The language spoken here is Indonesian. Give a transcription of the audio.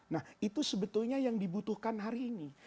nah itu sebetulnya yang dibutuhkan hari ini